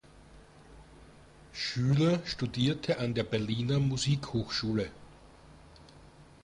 Schüler studierte an der Berliner Musikhochschule.